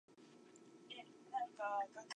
雲が形を変えて、「今日は猫になりたい気分」と空で言った。